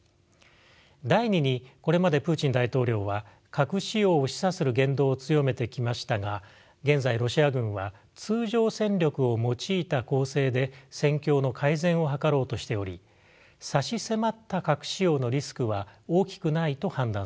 第２にこれまでプーチン大統領は核使用を示唆する言動を強めてきましたが現在ロシア軍は通常戦力を用いた攻勢で戦況の改善を図ろうとしており差し迫った核使用のリスクは大きくないと判断されています。